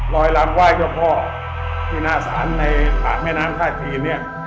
ลอยลำไหว้เจ้าพ่อที่หน้าสรรค์ในผ่านแม่น้ำท่าทีเนี่ย